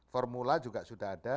formula juga sudah ada